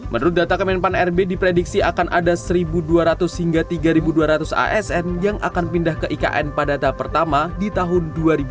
menurut data kemenpan rb diprediksi akan ada satu dua ratus hingga tiga dua ratus asn yang akan pindah ke ikn pada tahap pertama di tahun dua ribu dua puluh